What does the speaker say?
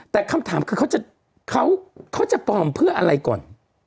แต่คำถามคือเขาจะปลอมเพื่ออะไรก่อน